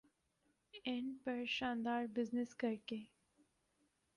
and پر شاندار business کرکے